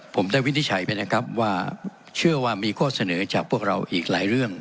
ผมได้วินิจฉัยไปแล้วครับว่าเชื่อว่ามีข้อเสนอจากพวกเราอีกหลายเรื่อง